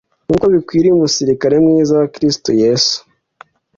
nk’uko bikwiriye umusirikari mwiza wa Kristo Yesu.”